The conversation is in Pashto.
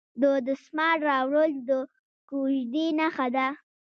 د دسمال راوړل د کوژدې نښه ده.